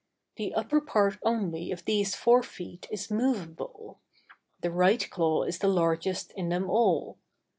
The upper part only of these forefeet is movable: the right claw is the largest in them all.